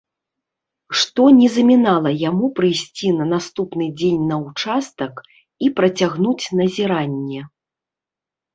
Што не замінала яму прыйсці на наступны дзень на ўчастак і працягнуць назіранне.